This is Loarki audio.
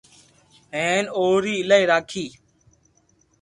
ھين اوري ايلائي راکي